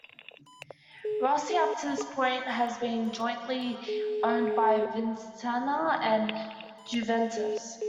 Rossi up to this point had been jointly owned by Vicenza and Juventus.